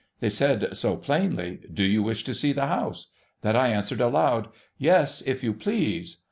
They said so plainly, ' Do you wish to see the house ?' that I answered aloud, ' Yes, if you please.'